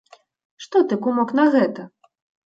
Што ты, кумок, на гэта?